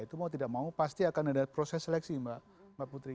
itu mau tidak mau pasti akan ada proses seleksi mbak putri